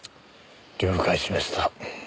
了解しました。